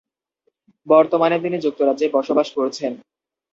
বর্তমানে তিনি যুক্তরাজ্যে বসবাস করছেন।